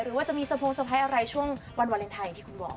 หรือว่าจะมีส่วนพร้อมสไพร์อะไรช่วงวันวาเลนไทยที่คุณบอก